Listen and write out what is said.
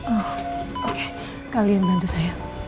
oh oke kalian bantu saya